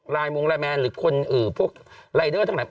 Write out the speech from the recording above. รายมงรายแมนหรือคนอื่นพวกลายเดอร์ทั้งไหน